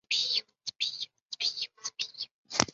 黄牛奶树为山矾科山矾属下的一个种。